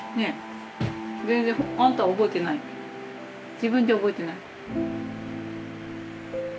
自分じゃ覚えてない？